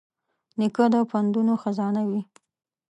نیکه د پندونو خزانه وي.